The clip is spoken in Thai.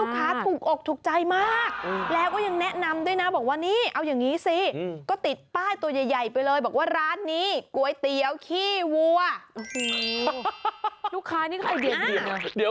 ก็จะมีพวกขาตะไคร้เบนมะกรูด